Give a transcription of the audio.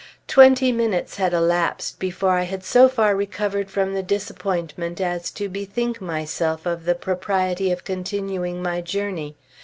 Twenty minutes had elapsed before I had so far recovered from the disappointment as to bethink myself of the propriety of continuing my journey.